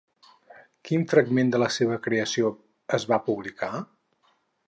Quin fragment de la seva creació es va publicar?